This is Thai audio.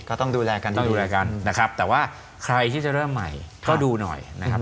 ก็ต้องดูแลกันครับถ้าใครที่จะเริ่มใหม่ก็ดูหน่อยนะครับ